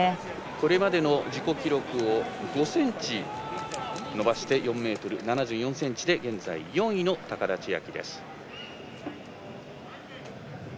これまでの自己記録を５ｃｍ伸ばして４ｍ７４ｃｍで現在、４位の高田千明。